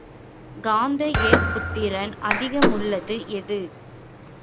காந்த ஏற்புத்திறன் அதிகமுள்ளது எது?